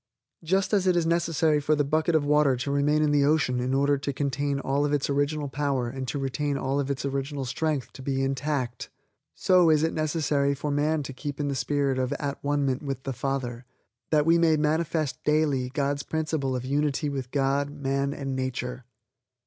Just as it is necessary for the bucket of water to remain in the ocean in order to contain all of its original power and to retain all of its original strength, to be intact, so is it necessary for man to keep in the spirit of at one ment with the Father, that we may manifest daily God's principle of Unity with God, man and nature.